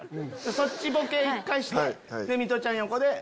そっちボケ１回してミトちゃん横で。